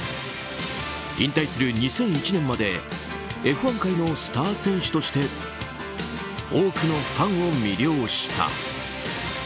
引退する２００１年までＦ１界のスター選手として多くのファンを魅了した。